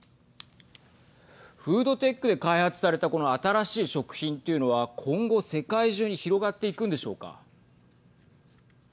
フードテックで開発されたこの新しい食品というのは今後世界中に広がっていくんでしょうか。